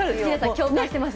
共感してます。